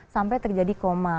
sampai terjadi kejahatan